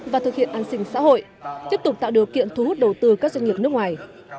và thực hiện an sinh xã hội tiếp tục tạo điều kiện thu hút đầu tư các doanh nghiệp nước ngoài